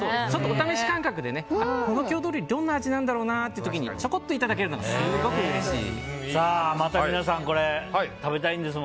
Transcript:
お試し感覚でこの郷土料理どんな味なんだろうなって時にちょこっといただけるのがすごくおいしいです。